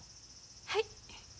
はい。